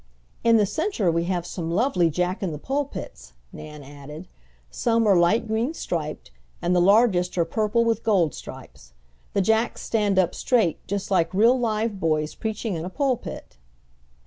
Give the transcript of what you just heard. "In the center we have some lovely Jack in the pulpits," Nan added. "Some are light green striped, and the largest are purple with gold stripes. The Jacks stand up straight, just like real live boys preaching in a pulpit."